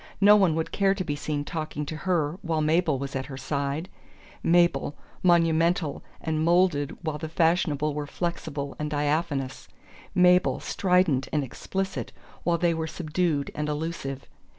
No one would care to be seen talking to her while Mabel was at her side: Mabel, monumental and moulded while the fashionable were flexible and diaphanous, Mabel strident and explicit while they were subdued and allusive.